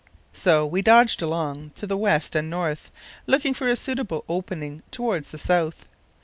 So we dodged along to the west and north, looking for a suitable opening towards the south.